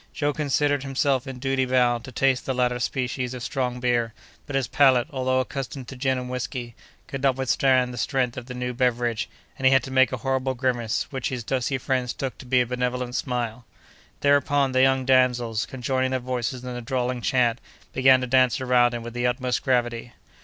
Joe considered himself in duty bound to taste the latter species of strong beer, but his palate, although accustomed to gin and whiskey, could not withstand the strength of the new beverage, and he had to make a horrible grimace, which his dusky friends took to be a benevolent smile. Thereupon, the young damsels, conjoining their voices in a drawling chant, began to dance around him with the utmost gravity.